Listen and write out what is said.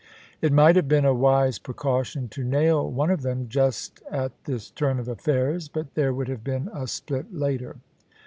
It might have been a wise precaution to nail one of them just at this turn of affairs, but there would have been a split later.